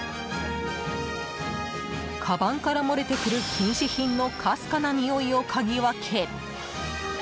かばんから漏れてくる禁止品のかすかなにおいを嗅ぎ分け。